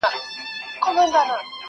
• زه چي وګرځمه ځان کي جهان وینم,